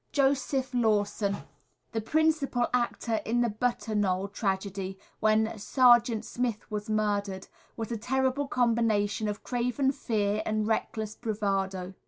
Joseph Lawson, the principal actor in the Butterknowle tragedy, when Sergeant Smith was murdered, was a terrible combination of craven fear and reckless bravado.